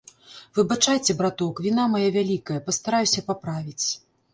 Выбачайце, браток, віна мая вялікая, пастараюся паправіць.